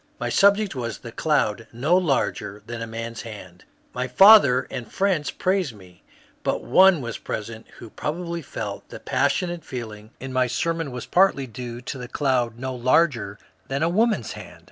My subject was the *^ cloud no larger than a tkian's hand.'' My father and friends praised me, but one waa present who probably felt that the passionate feeling in my sermon was partly due to the cloud no larger than a woman's hand.